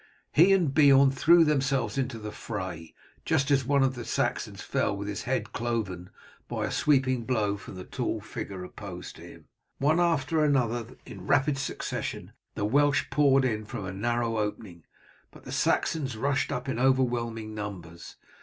He and Beorn threw themselves into the fray just as one of the Saxons fell with his head cloven by a sweeping blow from the tall figure opposed to him. One after another in rapid succession the Welsh poured in from a narrow opening, but the Saxons rushed up in overwhelming numbers.